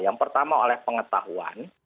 yang pertama oleh pengetahuan